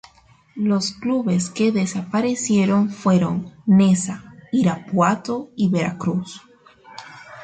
Los clubes que desaparecieron fueron Neza, Irapuato y Veracruz.